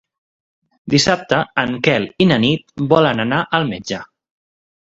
Dissabte en Quel i na Nit volen anar al metge.